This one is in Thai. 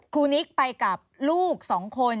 นิกไปกับลูก๒คน